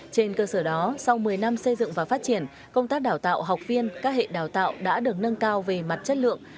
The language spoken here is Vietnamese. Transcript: trên cơ sở đó sau một mươi năm xây dựng và phát triển công tác đào tạo học viên các hệ đào tạo đã được nâng cao về mặt chất lượng